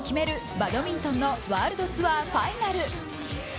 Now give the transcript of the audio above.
バドミントンのワールドツアーファイナル。